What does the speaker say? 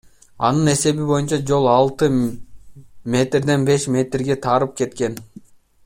Анын эсеби боюнча, жол алты метрден беш метрге тарып кеткен.